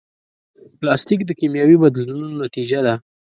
پلاستيک د کیمیاوي بدلونونو نتیجه ده.